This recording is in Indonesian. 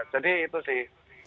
jadi itu sih